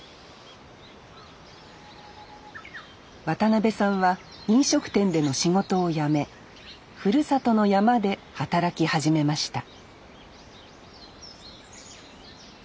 渡邉さんは飲食店での仕事を辞めふるさとの山で働き始めました